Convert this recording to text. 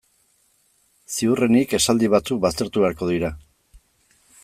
Ziurrenik esaldi batzuk baztertu beharko dira.